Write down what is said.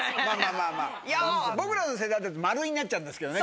僕らの世代だとマルイになっちゃうんですけどね。